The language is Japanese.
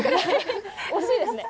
惜しいですね。